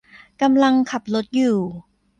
กำลังขับรถอยู่